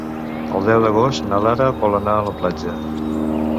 El deu d'agost na Lara vol anar a la platja.